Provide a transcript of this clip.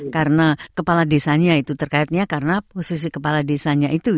karena kepala desanya itu terkaitnya karena posisi kepala desanya itu